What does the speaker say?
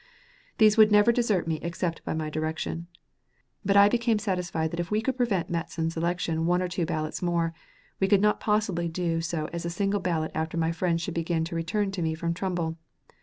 These would never desert me except by my direction; but I became satisfied that if we could prevent Matteson's election one or two ballots more, we could not possibly do so a single ballot after my friends should begin to return to me from Trumbull.